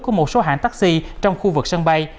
của một số hãng taxi trong khu vực sân bay